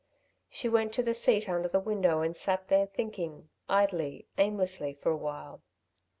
She went to the seat under the window and sat there thinking, idly, aimlessly, for awhile.